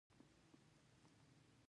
ساغر ولسوالۍ لیرې ده؟